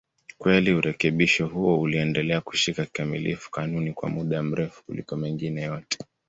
Kweli urekebisho huo uliendelea kushika kikamilifu kanuni kwa muda mrefu kuliko mengine yote.